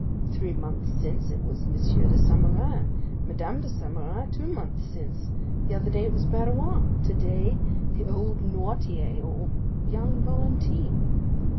Three months since it was M. de Saint Méran; Madame de Saint Méran two months since; the other day it was Barrois; today, the old Noirtier, or young Valentine."